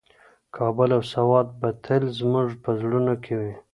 کابل او سوات به تل زموږ په زړونو کې وي.